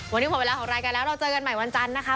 วันนี้หมดเวลาของรายการแล้วเราเจอกันใหม่วันจันทร์นะคะ